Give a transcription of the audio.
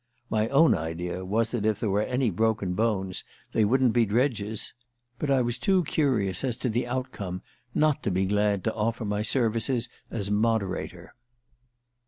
My own idea was that if there were any broken bones they wouldn't be Dredge's; but I was too curious as to the outcome not to be glad to offer my services as moderator.